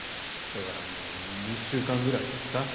だからもう２週間ぐらいですか。